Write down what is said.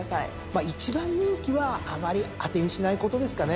まあ１番人気はあまり当てにしないことですかね。